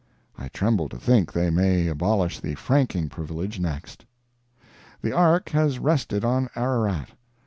I tremble to think they may abolish the franking privilege next. The Ark has rested on Ararat.